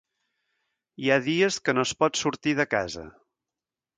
Hi ha dies que no es pot sortir de casa.